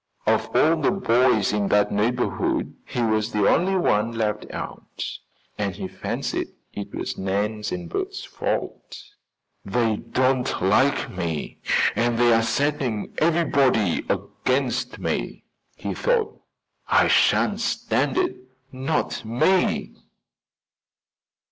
Of all the boys in that neighborhood he was the only one left out, and he fancied it was Nan and Bert's fault. "They don't like me and they are setting everybody against me," he thought. "I shan't stand it, not me!"